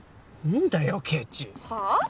何だよケチはあ？